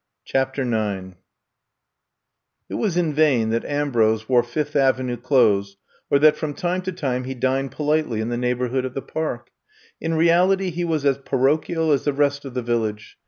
'' CHAPTER IX IT was in vain that Ambrose wore Fifth Avenue clothes pr that from time to time he dined politely in the neighborhood of the Park. In reality he was as parochial as the rest of the village.